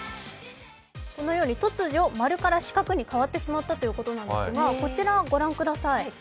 このように突如、丸から四角に変わってしまったということなんですが、こちらご覧ください。